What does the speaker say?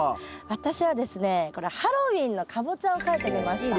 私はですねこれハロウィーンのカボチャを描いてみました。